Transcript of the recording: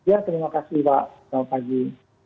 ya terima kasih pak selamat pagi